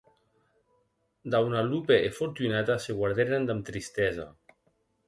Dòna Lupe e Fortunata se guardèren damb tristesa.